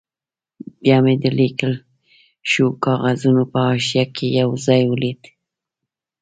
بیا مې د لیکل شوو کاغذونو په حاشیه کې یو ځای ولید.